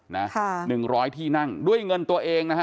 นะค่ะหนึ่งร้อยที่นั่งด้วยเงินตัวเองนะฮะ